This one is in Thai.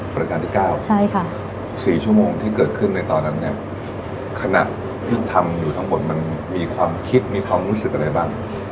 ประการที่๙๔ชั่วโมงที่เกิดขึ้นในตอนนั้นเนี่ยขณะที่ทำอยู่ข้างบนมันมีความคิดมีความรู้สึกอะไรบ้าง